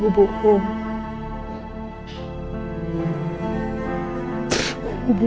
kamu bohong kamu biarkan saya hidup